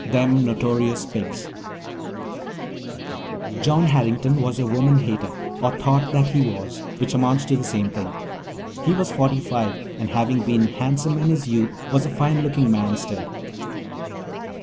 Them Notorious PigsToC John Harrington was a woman hater, or thought that he was, which amounts to the same thing. He was forty five and, having been handsome in his youth, was a fine looking man still.